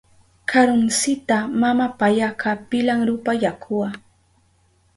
Karuntsita mama payaka pilan rupa yakuwa.